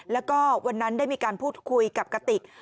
แล้วก็วันนั้นได้มีการพูดคุยกับกติก